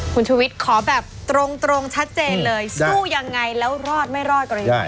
คุณชุวิตขอแบบตรงชัดเจนเลยสู้ยังไงแล้วรอดไม่รอดกว่าในย้อนเนี่ย